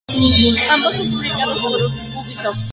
Ambos son publicados por Ubisoft.